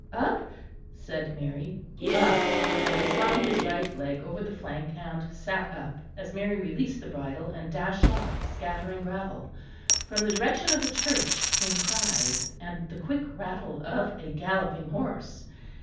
"Up?" said Mary. "Up"; and he slung his right leg over the flank and sat up, as Mary released the bridle, and dashed off, scattering gravel. From the direction of the church came cries and the quick rattle of a galloping horse.